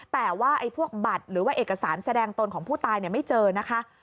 แต่ว่าพวกบัตรหรือว่าเอกสารแสดงตนของผู้ตายไม่เจอนะคะ